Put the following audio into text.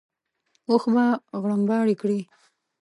اوښ به غرمباړې کړې.